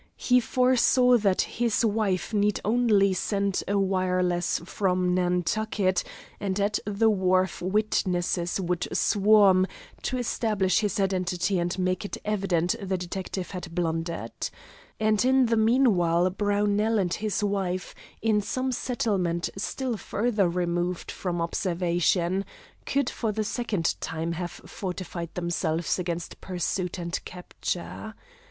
He foresaw that his friend need only send a wireless from Nantucket and at the wharf witnesses would swarm to establish his identity and make it evident the detective had blundered. And in the meanwhile Brownell and his wife, in some settlement still further removed from observation, would for the second time have fortified themselves against pursuit and capture.